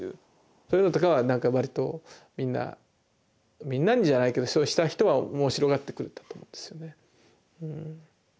そういうのとかはなんかわりとみんなみんなじゃないけどそのした人はおもしろがってくれたと思うんですよね。